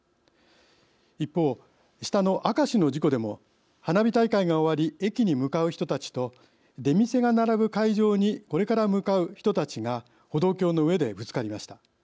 一方、下の明石の事故でも花火大会が終わり駅に向かう人たちと出店が並ぶ会場にこれから向かう人たちが歩道橋の上でぶつかりました。